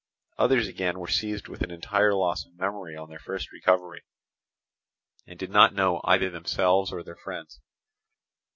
Others again were seized with an entire loss of memory on their first recovery, and did not know either themselves or their friends.